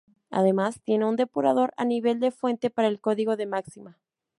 Además tiene un depurador a nivel de fuente para el código de Maxima.